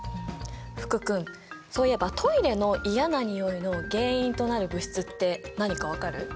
福君そういえばトイレの嫌なにおいの原因となる物質って何か分かる？